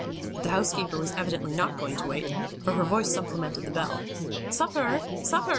But the housekeeper was evidently not going to wait, for her voice supplemented the bell. "Supper! Sup per!"